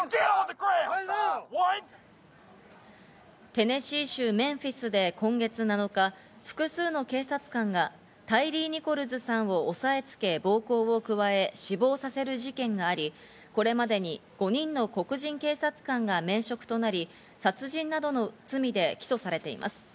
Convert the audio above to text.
テネシー州メンフィスで今月７日、複数の警察官がタイリー・ニコルズさんを押さえ付け暴行を加え、死亡させる事件があり、これまでに５人の黒人警察官が免職となり、殺人などの罪で起訴されています。